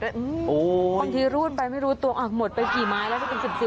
บางทีรูดไปไม่รู้ตัวอักหมดไปกี่ไม้แล้วถ้าเป็น๗๐ไม้ก็มี